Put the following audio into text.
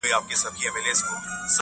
ژوند له مینې نه ژوندی وي.